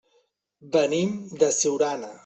Venim de Siurana.